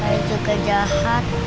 saya juga jahat